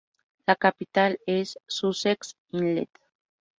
La capital es Sussex Inlet.